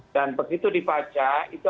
dan begitu dipaca